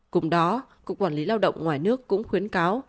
cùng đó cục quản lý lao động ngoài nước cũng khuyến cáo